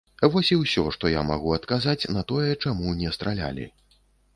Вось і ўсё, што я магу адказаць на тое, чаму не стралялі.